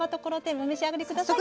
お召し上がり下さい。